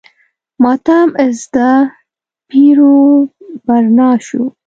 ماتم زده پیر و برنا شو.